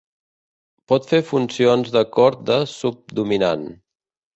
Pot fer funcions d'acord de subdominant.